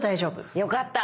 よかった。